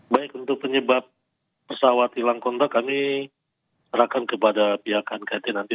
baik untuk penyebab pesawat hilang kontak kami serahkan kepada pihak knkt nanti